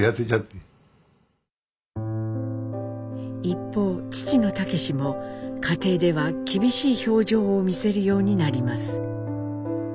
一方父の武も家庭では厳しい表情を見せるようになります。